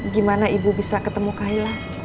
gimana ibu bisa ketemu kaila